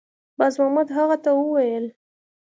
بازمحمد هغه ته وویل